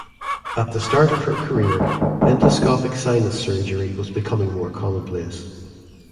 At the start of her career endoscopic sinus surgery was becoming more commonplace.